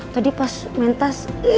tadi pas main tas